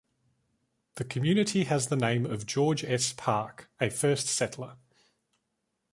The community has the name of George S. Park, a first settler.